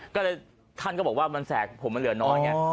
ก็เลยท่านก็บอกว่ามันแสกผมมันเหลือน้อยไง